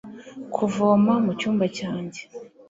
kuvoma mucyumba cyanjye